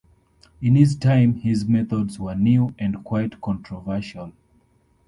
In his time, his methods were new and quite controversial.